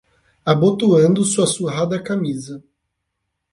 Abotoando sua surrada camisa